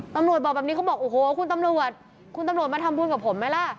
ตำรวจบอกแบบนี้เขาบอกโอ้โหคุณตำรวจคุณตำรวจมาทำบุญกับผมไหมล่ะ